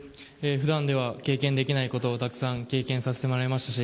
普段では経験できないことをたくさん経験させてもらえましたし